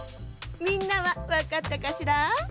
みんなはわかったかしら？